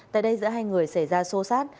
tại đây giữa hai người xảy ra xô xát